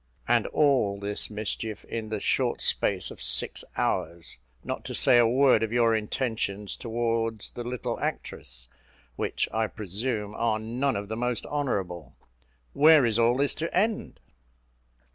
And all this mischief in the short space of six hours, not to say a word of your intentions towards the little actress, which I presume are none of the most honourable. Where is all this to end?"